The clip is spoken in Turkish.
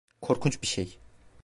Korkunç bir şey.